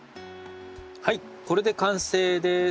はいこれで完成です。